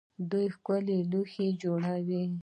دوی ښکلي لوښي جوړوي.